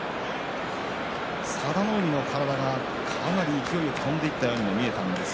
佐田の海の体がかなり勢いよく飛んでいったように見えました。